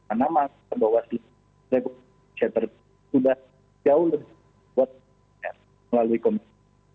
karena mas bawaslu ri sudah jauh lebih buat dpr melalui komisi dua dpr ri